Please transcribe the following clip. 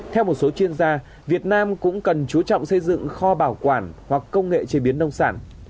theo một số chuyên gia việt nam cũng cần chú trọng xây dựng kho bảo quản hoặc công nghệ chế biến nông sản